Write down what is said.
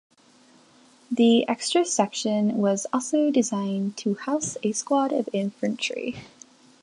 The extra section was also designed to house a squad of infantry.